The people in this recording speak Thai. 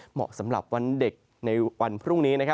เหมาะสำหรับวันเด็กในวันพรุ่งนี้